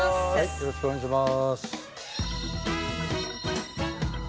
よろしくお願いします。